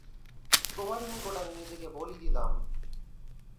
তোমারই নিকট আমি নিজেকে বলি দিলাম।